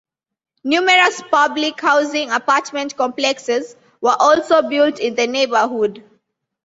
Numerous public housing apartment complexes were also built in the neighborhood.